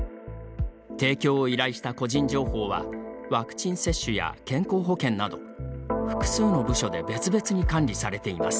提供を依頼した個人情報はワクチン接種や健康保険など複数の部署で別々に管理されています。